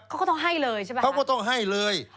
เขาก็ต้องให้เลยใช่ไหมเขาก็ต้องให้เลย